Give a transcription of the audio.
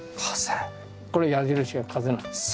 これ矢印が風なんです。